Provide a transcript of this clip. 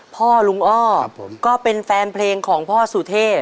พ่อลุงอ้อก็เป็นแฟนเพลงของพ่อสุเทพ